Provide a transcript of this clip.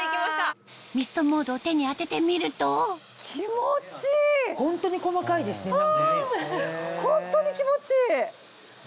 ミストモードを手に当ててみるとホントに細かいですね何かね。